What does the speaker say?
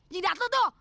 jidat lu tuh